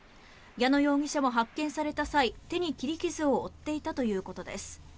矢野容疑者は発見された際手に切り傷を負っていたということです。